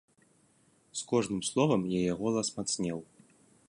З кожным словам яе голас мацнеў.